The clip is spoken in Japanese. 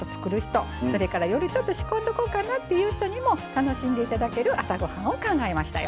それから夜ちょっと仕込んどこうかなっていう人にも楽しんで頂ける朝ごはんを考えましたよ。